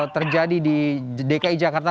terjadi di dki jakarta